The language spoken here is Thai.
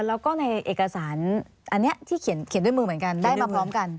แล้วก็ในเอกสารอันนี้ที่เขียนด้วยมือเหมือนกันได้มาพร้อมกัน